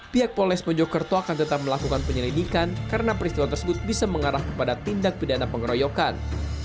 pihak polres mojokerto akan tetap melakukan penyelidikan karena peristiwa tersebut bisa mengarah kepada tindak pidana pengeroyokan